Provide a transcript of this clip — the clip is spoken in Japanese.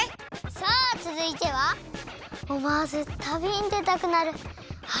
さあつづいてはおもわずたびにでたくなるあのきょくです！